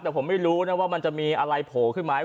แต่ผมไม่รู้นะว่ามันจะมีอะไรโผล่ขึ้นไหม